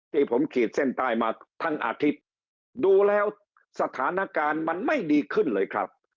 ที่ผมขีดเส้นใต้มาทั้งอาทิตย์ดูแล้วสถานการณ์มันไม่ดีขึ้นเลยครับ